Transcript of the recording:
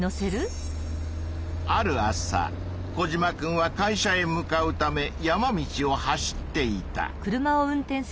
ある朝コジマくんは会社へ向かうため山道を走っていた。